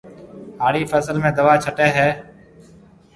هاڙِي فصل ۾ دوا ڇٽيَ هيَ۔